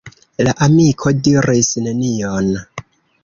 La amiko diris nenion.